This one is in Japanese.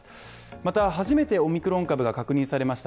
また初めてオミクロン株が確認されました